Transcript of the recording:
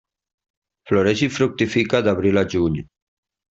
Floreix i fructifica d'abril a juny.